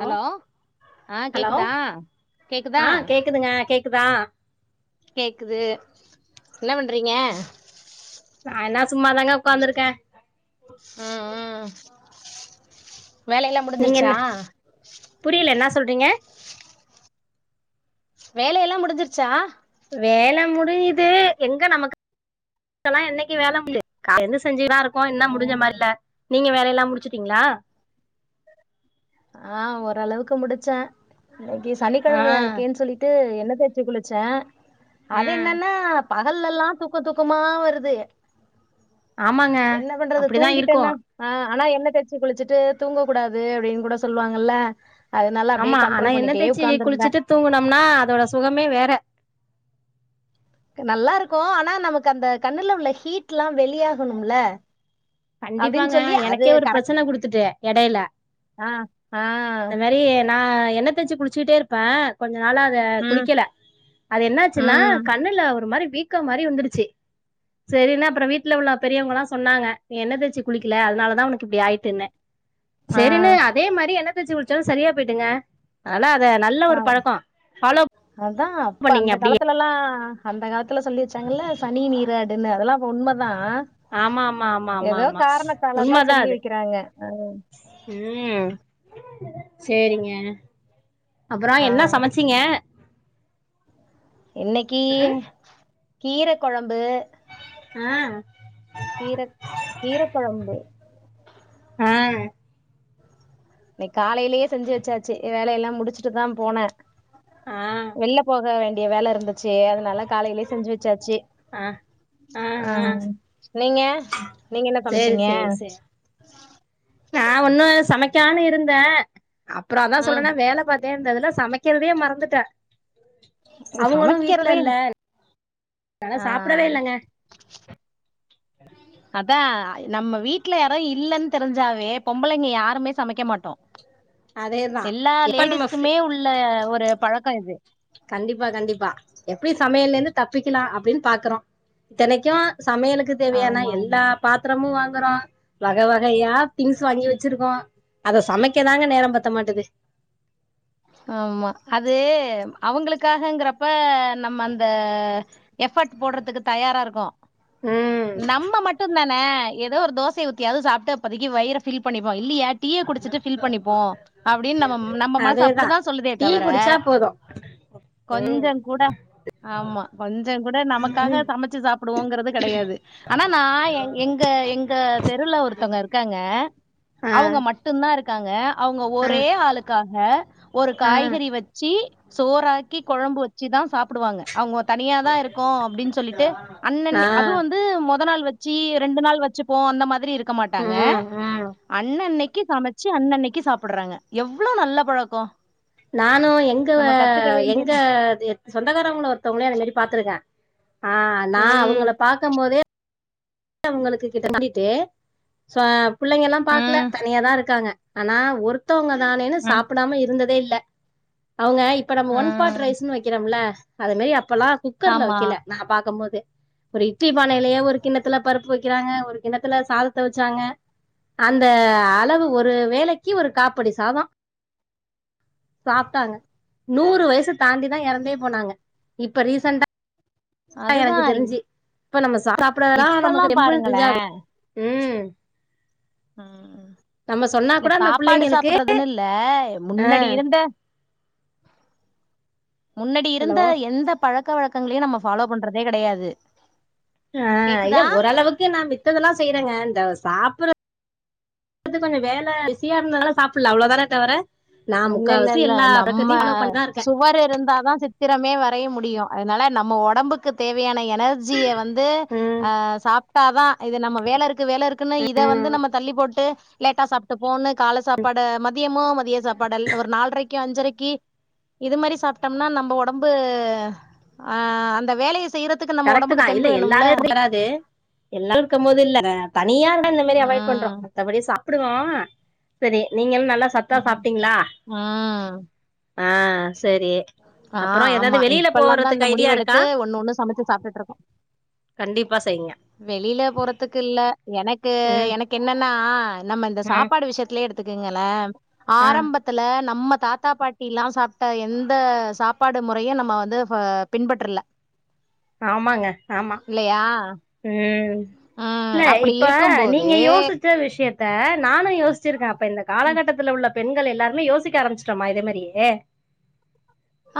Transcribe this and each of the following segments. Hello ஆ hello கேக்குதா கேக்குதா ஆ கேக்குதுங்க கேக்குதா கேக்குது என்ன பண்றீங்க நான சும்மாதாங்க உக்காந்துருக்கே ம் ம் வேலையெல்லா முடிஞ்சிருச்சா புரில என்ன சொல்றீங்க வேலையெல்லா முடிஞ்சிருச்சா வேல முடிஞ்சுது எங்க நமக்கு தல்லாம் என்னைக்கு வேல முடியுது காலைருந்து செஞ்சுதாம் இருக்கோம் என்ன முடிஞ்ச ம் மாருல்ல நீங்க வேலையெல்லாம் முடிச்சுட்டீங்களா ஆ ஓரளவுக்கு முடிச்சேன் இன்னைக்கி ஆ சனிக்கெழமையா இருக்கேன் சொல்லி ட்டு என்ன தேச்சு குளிச்ச ஆ அது என்னன்னா பகல்லெல்லாம் தூக்க துக்கம்மா வருது ஆமாங்க என்ன பண்றது அப்டிதா இருக்கு தூங்கிட்டேனா அ ஆனா என்ன தெச்சு குளிச்சுட்டு தூங்க கூடாது அப்டின்னு கூட சொல்லுவாங்கல்ல அதனால அப்டியே கண்ட்ரோல் பண்ணிட்டே ஒக்காந்துருந்தேன் தூங்குனம்னா அதோட சுகமே வேற நல்லாருக்கும் ஆனா நமக்கு அந்த கண்ணுல உள்ள ஹீட்ல்லா வெளியாகணும்ல அப்படின்னு கண்டிப்பாங்க சொல்லி அது எனக்கே ஒரு கரெக்ட் பிரச்சன குடுத்துட்டு எடையில ஆ ஆஹ் இந்த மாரி நா எண்ண தேச்சு குளிச்சுட்டே இருப்ப கொஞ்ச நாளா அத ம் குளிக்கல அது என்னாச்சுன்னா ம் கண்ணுல ஒரு மாரி வீ க்க மாரி வந்துருச்சு செரினா அப்ற வீட்ல உள்ள பெரியவங்கல்லா சொன்னாங்க என்ண தேச்சு குளிக்கல அதனாலதா உனக்கு இப்டி ஆயிட்டுனே ஆ சேரின்னு அதே மாரி என்ன சேச்சு குடிச்சாலு சரியா போயிட்டுங்க அதா அத நல்ல ஒரு பழக்கோ ஃபாலோ அதா அப்ப பண்ணீங்க அந்த அப்டியே காலத்துலல்லா அந்த காலத்துல சொல்லி வச்சாங்கல்ல சனி வீர என்ன அதெல்லா உண்மதா ஆமா ஆமா ஆமா ஆமா ஏதோ ஆமா காரணத்தாலதா சொல்லி வெக்கறாங்க ஆ உம் சேரிங்க அப்பறோ ஆ என்ன சமச்சீங்க இன்னிக்கீ கீர கொழம்பு ஆ கீர கீர கொழம்பு அ னே காலைலயே செஞ்சு வச்சாச்சு வேல எல்லா முடிச்சிட்டு தா போன ஆ வெள்ள போக வேண்டிய வேல இருந்துச்சு அதனால காலைலயே செஞ்சு வச்சாச்சி ஆ ஆ நீங்க நீங்க என்ன சேரி சமைச்சீங்க சேர் சே நா ஒன்னு சமைக்கானு இருந்த அப்றோ அதா ம் சொல்றேன்னே வேல பாத்தே இருந்ததுல்ல சமைக்கிறதே மறந்துட்ட அவங்களு வீட்ல சமைக்கிறதே இல்ல அதா ஆ சாப்டவே இல்லங்க அதா நம்ம வீட்ல யாரா இல்லன் தெரிஞ்சாவே பொம்பளைங்க யாருமே சமைக்க மாட்டோ அதேதா எல்லா எப்ப நம்ம ஃப்ரீ லேடிஸ்குமே உள்ள ஒரு பழக்க இது கண்டிப்பா கண்டிப்பா எப்டி சமையலந்து தப்பிக்லா அப்டின் பாக்குறோ இத்தனைக்கும் சமையலுக்கு தேவையான ஆமா எல்லா ஆமா பா த்ரமு வாங்றோ வக வகையா திங்ஸ் வாங்கி வச்சிருக்கோ அத சமைக்கதாங்க நேரம் பத்த மாட்டது ஆமா அது அவங்களுக்காகங்கிறப்ப நம்ம அந்த எஃபர்ட் போட்றதுக்கு தயாரா இருக்கொ ம் நம்ம மட்டுந்தா ன ஏதோ ஒரு தோசைய ஊத்தியாது சாப்ட்டு இப்பதைக்கு வைர ஃபில் பண்ணிப்போ இல்லியா டீய குடிச்சிட்டு ஃபில் பண்ணிப்போ அப்டின் நம் நம்ம மனசு அதேதா அப்டுதா சொல்லுதே டீ தவர குடிச்சா போது ம் கொஞ்சங்கூட ஆமா கொஞ்சங்கூட நமக்காக ம் சமச்சு சாப் புடுவோங்றது கடையாது ஆனா நா எ எங்க எங்க தெருல ஒருத்தோங்க இருக்காங்க ஆ அவுங்க மட்டுந்தா இருக்காங்க அவுங்க ஆ ஒரே ஆளுக்காக ஒரு ஆ காய்கறி வை சி சோறாக்கி கொழம்பு வெச்சுதா சாப்புடுவாங்க அவங்க தனியாதா இருக்கோ அப்டின் சொல்லிட்டு அன்னன் அது ஆ வந் து மொத நாள் வெச்சி ரெண்டு நாள் வச்சுப்போ அந்த மாதிரி இருக் க ம் மாட்டாங்க ம் அன்னன்னைக்கு சமைச் சி அன்னன்னைக்கு சாப்பிடறாங்க எவ்ளொ நல்ல பழக்கோ நானு எங்க எங்க வேண்டியது. சொந்தக்காரங்கள ஒருத்தவங்களையு அது மாரி பாத்துருக்கே ஆ நா ம். அவங்கள பாக்கம் போதே அவங்களுக்கு கிட்ட மாட்டிட்டு ச பிள்ளைங்கெலா பாக்கல ம். தனியாதா இருக்காங்க ஆனா ஒருத்தவுங்க தானேன்னு ம். சாப்பிடாம இருந்ததே இல்ல அவங்க இப்ப நம்ம ஒன் பாட் ம். ரைஸ்ன்னு வெக்கிறமல்ல அது மாரி அப்பெல்லா குக்கர்ல ஆமா. வெக்கல நா பாக்கும் போது ஒரு இட்லி பானைலயே ஒரு கிண்ண த்துல பருப்பு வெக்கறாங்க ஒரு கிண்ணத்துல சாதத்த வெச்சாங்க அந்த அளவு ஒரு வேலைக்கு ஒரு காப்படி சாதொ சாப்ட்டாங்க நூறு வயச தாண்டிதா எறந்தே போனாங்க இப்ப ரீசண்டா எனக்கு அதுதான் தெரிஞ்சு இப்ப நம்ம சாப்பறதெல்லா இப்பல்லா நமக்கு ரெம்ப பாருங்களே தெரிஞ்சாகு ம் ம் நம்ம சொன்னா இல்ல கூட அந்த சாப்பாடு புள்ளைங்களுக்கு சாப்படுறதுன்னு இல்ல ஆ முன்னடி இருந்த முன்னடி ஹலோ இருந்த எந்த பழக்க வழக்கங்களையு நம்ம ஃபாலோ பண்றதே கெடையாது ஆ ஏ கேக்குதா ஓரளவுக்கு நா மித்ததெல்லா செய்யறங்க இந்த சாப்பற து கொஞ்ச வேல பிசியா இருந்தனால சாப்பல்ல அவ்ளதான தவர இல்ல இல்ல இல்ல நம்ம பண்ணிதா இருக்கே சுவர் இருந்தாதா சி த்திரமே வரைய முடியு அதனால நம்ம ஒடம்புக்கு தேவையான எனர்ஜிய வந்து ம் ஆ சாப் ட்டாதா இது நம்ம வேல இருக்கு வேல இருக்குன்னு இத வந்து நம்ம தள்ளி போட்டு லேட்டா சாப்ட்டு போன்னு கால சாப்பாடு மதியமு மதிய சாப்பாட ஒரு நால்ரைக்கு அஞ்சரைக்கு இது மாரி சாப்ட்டம்னா நம்ம ஒடம்பு அ அந்த வேலைய செய்ற கரெக்ட்டுதா இல்ல எல்லாரையு வராது எல்லா இருக்கும் போது இல்ல தனியா இருந்தா இந்த மாரி அவாய்ட் பண்றோ ம் மத்தபடி சா ப்டுவோ செரி நீங்கெலா நல்லா சத்தா ம் சாப்ட்டிங்ளா ம் ஆ செரி ஆ ஆமா இப்பெல்லாந்தா இந்த ஐடியா இருக்கா முடிவெடுத்து ஒண்ணு ஒண்ணு சமைச்சு சாப்ட்டுட்ருக்கோ கண்டிப்பா செய்ங்க வெளில போறதுக்கில்ல எனக்கு ம் எனக்கு என்னன்னா நம்ம இந்த ம் சாப்பாடு விஷயத்துலே எடுத்துக்கங்களே ஆ ஆரம்பத் துல நம்ம தாத்தா பாட்டி எல்லா சாப்ட்ட எந் த சாப்பாடு முறையு நம்ம வந்து பின்பற்றுல ஆமாங்க ஆமா இல்லையா ம் ம் இல்ல அப்டி இப்ப இருக்கும்போது நீங்க யோசிச் ச விஷயத்த நானு யோசிச்சிருக்கே அப்ப இந்த காலகட்டத்துல உள்ள பெண்கள் எல்லாருமே யோசிக்க ஆரம்பிச்சுட்டோமா இதே மாரியே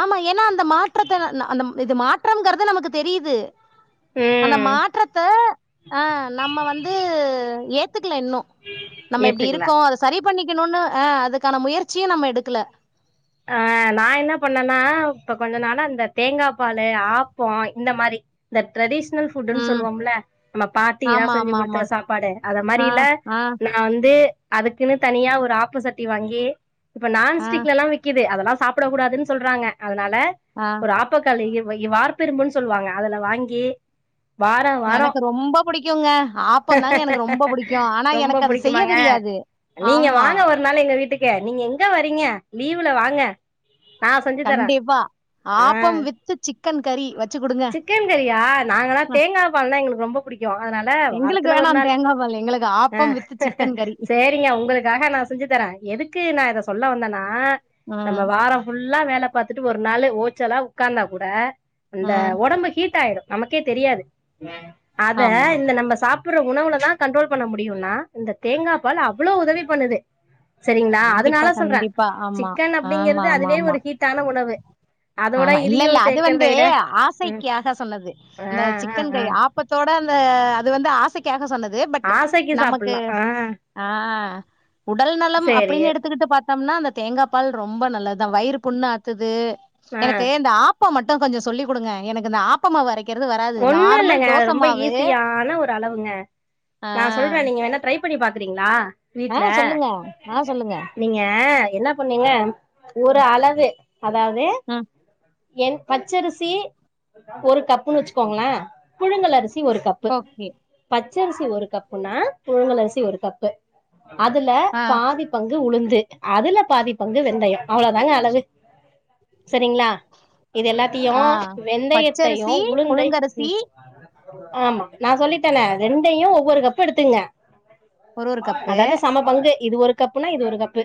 ஆமா ஏன்னா அந்த மாற்றத்த அந்த இது மாற்றம்ங்குரது நமக்கு தெரிது அந்த ம் மாற்றத்த ஆ நம்ம வந்து ஏத்துக்கல இன்னு நம்ம இப்டி ஏத்துக்கல இருக்கோ அத சரி பண்ணிக்கணுனு ஆ அதுக்கான முயற்சியு நம்ம எடுக்கல ஆ நா என்ன பண்ணனா இப்ப கொஞ்ச நாளா இந்த தேங்கா பாலு ஆப்போ இந்த மாரி இந்த ட்ரெடிஷனல் ஃபுட்டுன் ம் சொல்வமல்ல நம்ம பாட்டி எல்லா ஆமா செஞ்சு ஆமா ஆமா குடுத்த சாப்பாடு அத ஆ மாரிலா ஆ நா வந்து அதுக்குன்னு தனியா ஒரு ஆப்ப சட்டி வாங்கி இப்ப ஆ நான்ஸ்டிக் எல்லா விக் விக்குது அதெல்லா சாப்ட கூடாதுன் சொல்றாங்க அதனால ஆ ஒரு ஆப்பக்கல்லு இ இ வார்ப்பு இரும்புன் சொல்வாங்க அதுல வாங்கி வாரோ வாரோ எனக்கு ரொம்ப புடிக்குங்க ஆப்பந்தாங்க எனக்கு ரொம்ப புடிக்கு ஆனா ரொம்ப எனக்கு அது புடிக் செய்ய க்குமாங்க தெரியாது நீங்க ஆமா வாங்க ஒரு நாள் எங்க வீட்டுக்கு நீங்க எங்க வரீங்க லீவ்வுல வாங்க நா செஞ்சி தரே கண்டிப்பா அ ஆப்பம் வித்து சிக்கன் கறி வச்சு குடுங்க சிக்கன் கறியா நாங்களா ம் தேங்கா பால்னா எங்களுக்கு ரொம்ப புடிக்கு அதனால எங்களுக்கு வாரத்துல வேணா ஒரு நாள் தேங்கா பால் எங்களுக்கு அ ஆப்பம் வித்து செ சிக்கன் கறி சேரிங்க உங்களுக்காக நா செஞ்சு தர எதுக்கு நா இத சொல்ல வந்தன்னா நம்ம ம் வாரோ ஃபுல்லா வேல பாத்துட்டு ஒரு நாளு ஓச்சலா உக்காந்தா கூட அந்த ம் ஒடம்பு ஹீட் ஆய்டு நமக்கே தெரியாது அத ஆமா இந்த நம்ம சாப் சாப்புட்ற உணவுல தா கண்ட்ரோல் பண்ண முடியுன்னா இந்த தேங்கா பால் அவ்ளோ உதவி பண்ணுது சரிங்ளா கண்டிப்பா அதுனால சொல்ற கண்டிப்பா ஆமா சிக்கன் ஆமா அப்டிங்கிறது ஆமா அதுவே ஆமா ஒரு ஹீட்டான உணவு அதோட ஆமா இதையு இல்லல்ல அது சேக்கறத வந்து விட ம் ஆசைக்காக சொன்னது ஆ அந்த ஆ சிக்கன் ஆ கை ஆப் ப்பத்தோட அந்த அது வந்து ஆசைக்காக சொன்னது பட் ஆசைக்கு நமக்கு சாப்புட்லா ஆ அ உடல் நலம் சேரி அப்டின்னு எடுத்துக்கிட்டு பாத் த்தம்னா அந்த தேங்கா பால் ரொம்ப நல்லதா வயிறு புண்ணு ஆத்துது ஆ எனக்கு இந்த ஆப் ப்பம் மட்டு கொஞ்சோ சொல்லி குடுங்க எனக்கு இந்த ஆப் ஒண்ணு இல்லங்க அது ரொம்ப மாவு ஈஸியான ஒரு அளவுங்க ஆ நா சொல்ற நீங்க வேனா ட்ரை பண்ணி பாக்குறீங்ளா அ சொல்லுங்க அ நீங்க என்ன பண்ணீங்க ஒரு அளவு அதாவது ம் என் பச்சரிசி ஒரு கப்புன்னு வச்சுக்கோங்கள புழுங்கல் அரிசி சி ஒரு கப்பு ஓகே பச்சரிசி ஒரு கப்புன்னா புழுங்கல் அரிசி ஒரு கப்பு அதுல ஆ பாதி பங்கு உளுந்து அதுல பாதி பங்கு வெந்தயோ அவ்வளோதாங்க அளவு சரிங்ளா இது எல்லாத்தயு ஆ வெந்தயத்தையு பச்சரிசி உளுந்தை புழுங்கரிசி ம் ஆமா நா சொல்லித்தன ரெண்டையு ஒவ்வொரு கப்பு எடுத்துங்க ஒரு ஒரு கப்பு அதாது சம பங்கு இது ஒரு கப்புன்னா இது ஒரு கப்பு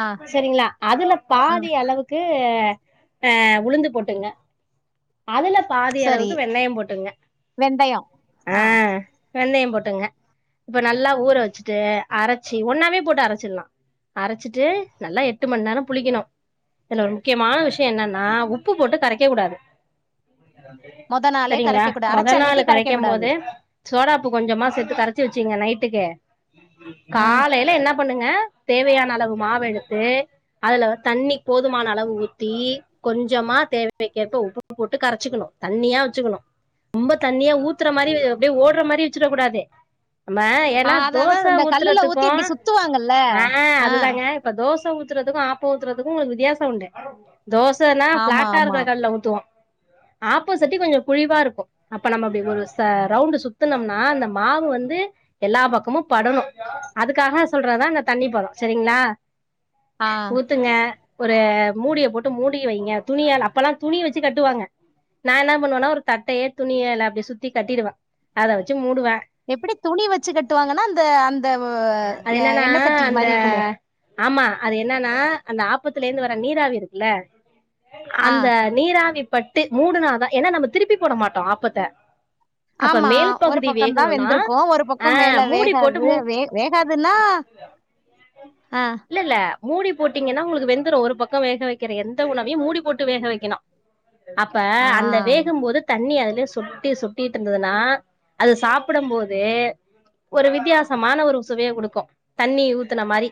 ஆ செரிங்ளா அதுல ம் பாதி அளவுக் கு அ உளுந்து போட்டுங்க அதுல பாதி அளவு சரி க்கு வெண்ணயம் போட்டுங்க வெந்தயோ அ ஆ வெந்தயோ போட்டுங்க இப்ப நல்லா ஊர வச்சுட்டு அரச்சி ஒன்னாவே போட்டு அரச்சிட்லா அரச்சிட்டு நல்லா எட்டு மண் நேரோ புளிக்கணு இதுல ஒரு முக்கியமான விஷயோ என்னன்னா உப்பு போட்டு கரைக்க கூடாது மொத நாளே சரிங்களா கரைக்க கூடாது மொத அரைச்ச நாளு அன்னைக்கு கரைக்க கரைக்கும் கூடாது போதே சோடாப்பு கொஞ்சமா சேத்து கரச்சு வச்சுங்க நைட்டுக்கு ஆ காலைல என்ன பண்ணுங்க தேவையான அளவு மாவெடுத்து அதுல தண்ணி போதுமான அளவு ஊத்தி கொஞ்சமா தேவைக்கேற்ப்ப உப்பு போட்டு கரச்சுக்கணு தண்ணியா வச்சுக்கணு ரொம்ப தண்ணியா ஊத்துற மாரி அப்டியே ஓடுற மாரி வச்சுடக் கூடாது நம்ம ஆ ஏனா அத அதா தோச இந்த கல்லுல ஊத்துறதுக்கு ஊத்தி இப்டி சுத்துவாங்கல்ல அ ஆ அதுதாங்க இப்ப தோச ஊத்துறதுக்கு ஆப்போ ஊத்துறதுக்கு உங்களுக்கு வித்யாசோ உண்டு தோசன்னா ஆமா ஃப்ளட்டா ஆமா இருக்கிற கல்லுல ஊத்துவோ ஆப்போ சட்டி கொஞ்சோ குழிவா இருக்கு அப்ப நம்ம அப்டி ஒரு சா ரவுண்ட் சுத்தனோம்னா அந்த மாவு வந்து எல்லா பக்கமும் படனு அதுக்காக சொல்றதா இந்த தண்ணி பதொ சரிங்களா ஆ ஊத்துங்க ஒரு மூடிய போட்டு மூடி வைங்க துணியல அப்பல்லா துணி வச்சு கட்டுவாங்க நா என பண்ணுவன்னா ஒரு தட்டயே துணியலா அப்டி சுத்தி கட்டிடுவே அத வச்சு மூடுவே எப்டி துணி வச்சு கட்டுவாங்கன்னா அந்த அந்த அது என்னன்னா என்ன சட்டி அந்த மாரி இருக்குமே ஆமா அது என்னன்னா அந்த ஆப்பத்துல இருந்து வர நீராவி இருக்குல்ல ஆ அந்த நீராவி பட்டு மூடுனாதா ஏன்னா நம்ம திருப்பி போட மாட்டோ ஆப்பத்த அப்ப ஆமா மேல் ஒரு பகுதி பக்கதா வேகணும்னா வெந்திருக்கு ஒரு பக்கோ ஆ மேல மூடி போட்டு வேகாது மூ வே வேகாதுன்னா ஆ இல்ல இல்ல மூடி போட்டீங்கன்னா உங்களுக்கு வெந்துரு ஒரு பக்க வேக வெக்கிற எந்த உணவையு மூடி போட்டு வேக வெக்கணு அப்ப ஆ அந்த வேகம் போது தண்ணி அதுலயே சொட்டி சொட்டிட்டு இருந்ததுன்னா அது சாப்படம் போதே ஒரு வித்தியாசமான ஒரு சுவய குடுக்கு தண்ணி ஊத்தன மாரி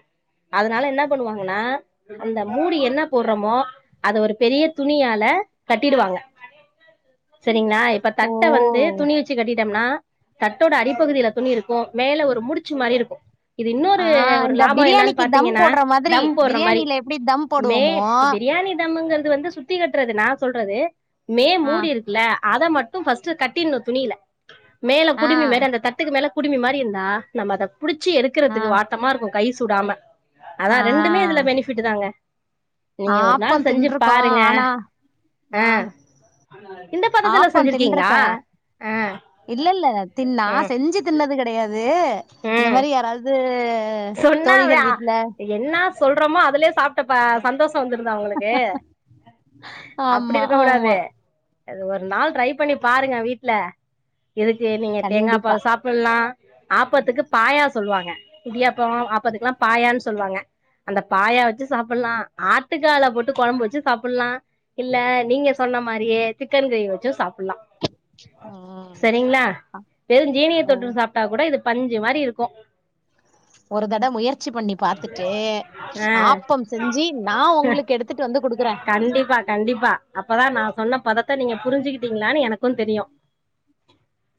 அதனால என்ன பண்ணுவாங்ஹன்னா அந்த மூடி என்ன போடுறோமோ அத ஒரு பெரிய துணியால கட்டிடுவாங்க சரிங்களா இப்ப ஓ தட்ட வந்து துணி வச்சு கட்டி ம்னா தட்டோட அடிப்பகுதியில துணி இருக்கு மேல ஒரு முடிச்சு மாரி இருக்கு இது ஆ இன்னொரு ஒரு இந்த லாப என்னன்னு பிரியாணிக்கு தம் பாத்தீங்கன்னா போடுற மாதிரி தம் போடுற மாரி பிரியாணில எப்டி தம் மே போடுவோமோ பெரிய பிரியாணி தம்ங்கறது வந்து சுத்தி கட்டுறது நா சொல்றது மே ஆ மூடி இருக்கு லா அதை மட்டும் ஃப்ஸ்ட் கட்டிடனு துணியில மேல ஆ குடிமி மேரிஅந்த தட்டுக்கு மேல குடுமி மாரி இருந்தா நம்ம அத புடிச்சு ஆ எடுக்கறதுக்கு வாட்டமா இருக்கு கை சூடாம அதா ஆ ரெண்டுமே இதுல பெனிபிட் தாங்க நீங்க ஒரு நாள் ஆப்பம் செஞ்சு தின்றுருக்கோ பாருங்க ஆ இந்த பதத்துல ஆப்பொ செஞ்சிருக்கீங்களா தின்னுடுருக்கே ஆ இல்ல இல்ல தின் நா ம் செஞ்சு தின்னது கிடையாது இந்த ம் மாரி யாராவது தோழிகள் வீட்ல என்னா சொல்றோமோ அதுலே சாப் ப சந்தோஷ வந்திருந்தா உங்களுக்கு அப்டி ஆமா இருக்க ஆமா கூடாது அது ஒரு நாள் ட்ரை பண்ணி பாருங்க வீட்ல இதுக்கு நீங்க தேங்கா கண்டிப்பா பால் சாப் ப்பலா ஆப்பத்துக்கு பாயா சொல்லுவாங்க இடியாப்போ ஆப்பதுக்கல்லா பாயான்னு சொல்லுவாங்க அந்த பாயா வச்சு சாப்பட்லா ஆட்டுக்கால போட்டு கொழம்பு வச்சு சாப்பட்லா இல்ல நீங்க சொன்ன மாரியே சிக்கன் கிரேவி வச்சு சாப்பிட்ல்லா ம் சரிங்களா வெறு ஜீனிய ஓ தொட்டுட்டு சாப்ட்டா கூட இது பஞ்சு மாரி இருக்கு ஒரு தடவ முயற் ச் சி பண்ணி பாத்துட்டு ஆ ஆப்பம் செஞ்சு நா உங்களுக்கு எடுத்துட்டு வந்து கொடுக்குறே கண்டிப்பா கண்டிப்பா அப்பதா நா சொன்ன பதத்தை நீங்க புரிஞ்சுகிட்டீங்களான்னு எனக்கு தெரியு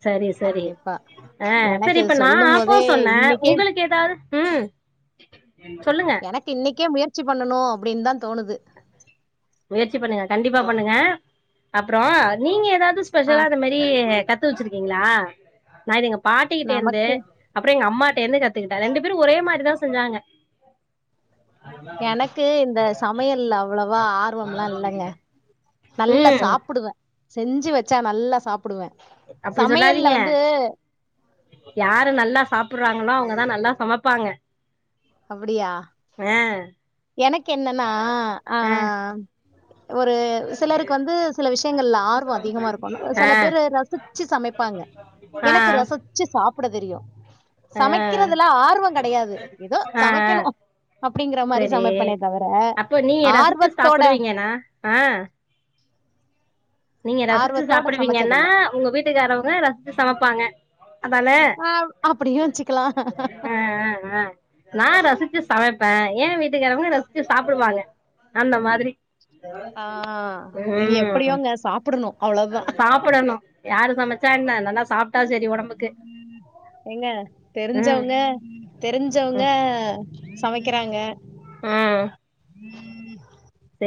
சரி சரி கண்டிப்பா ஆ சரி எனக்கு இப்ப நா சொல்லும் ஆப்போ போதே சொன்னே இன்னைக்கே உங்களுக்கு ம் சொல்லுங்க எனக்கு இன்னைக்கே முயற்சி பண்ணணு அப்டின்னு தா தோணுது முயற்சி பண்ணுங்க கண்டிப்பா பண்ணுங்க அப்ரோ நீங்க ஏதாது ஆ ஸ்பெஷலா அத மாதி திரி கத்து வச்சிருக்கீங்களா நா இது எங்க பாட்டிக்கிட்டே இருந்து நமக்கு அப்டியே எங்க அம்மாட்ட இருந்து கத்துக்கிட்டே ரெண்டு பேரு ஒரே மாரிதா செஞ்சாங்க எனக்கு இந்த சமையல் அவ்வளவா ஆர்வம்ல்லாம் இல்லங்க நல்லா ம் சாப்பிடுவே செஞ்சு வச்சா நல்லா சாப்பிடுவேன் அப்டி சமையல்ல சொல்லாதீங்க வந்து யாரு நல்லா சாப்பிடுறாங்களோ அவங்கதா நல்லா சமைப்பாங்க அப்படியா ஆ எனக்கு என்னன்னா ஆ ஒரு சிலருக்கு வந்து சில விஷயங்கள்ல ஆர்வம் அதிகமா இருக்கும் சில ஆ பேரு ரசிச்சு சமைப்பாங்க ஆ எனக்கு ரச ச்சு சாப்பிட தெரியும் ஆ சமைக்கிறதுல ஆர்வோ கெடையாது ஏதோ ஆ ஆ சமைக்கணும் அப்டிங்கற மாரி செரி சமைப்பனே தவர ஆர்வத்தோட ன்னா ஆ நீங்க ரசிச்சு ஆர்வத்தோட சாப்பிடுவீங்கன்னா சமைச்சதில்ல உங்க வீட்டுக்காரவங்க ரசிச்சு சமைப்பாங்க அதானே ஆ அப்டியு வச்சுக்கலா ஆ ஆ ஆ நா ரசிச்சு சமைப்பேன் ஏ வீட்டுக்காரவங்க ரசிச்சு சாப்பிடுவாங்க அந்த மாதிரி ம் சாப்பிடணும் அவ்வள சாப்பிடணும் யாரு சமைச்சா என்ன நல்லா சாப்ட்டா சரி ஒட எங்க ம் தெரிஞ்சவங்க தெரிஞ்சவங்க ம் சமைக்கிறாங்க ம் செ